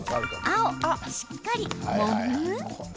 青・しっかり、もむ？